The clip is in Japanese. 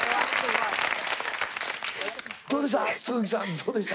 どうでした？